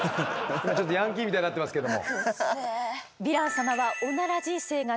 ちょっとヤンキーみたいになってますけども。